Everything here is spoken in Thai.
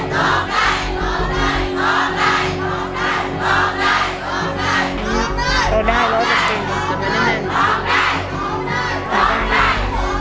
โทษใจโทษใจโทษใจโทษใจ